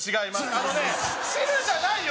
あのね汁じゃないよ